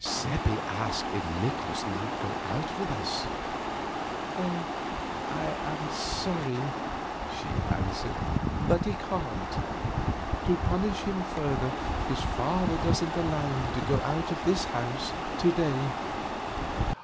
Seppi asked if Nikolaus might go out with us. "I am sorry," she answered, "but he can't. To punish him further, his father doesn't allow him to go out of the house to day."